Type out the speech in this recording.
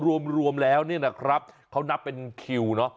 รวมแล้วเนี่ยนะครับเขานับเป็นคิวเนอะ